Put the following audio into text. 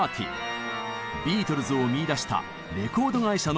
ビートルズを見いだしたレコード会社のプロデューサー。